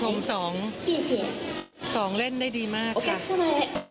สองเล่นได้ดีมากค่ะ